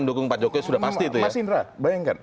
mendukung pak jokowi sudah pasti itu mas indra bayangkan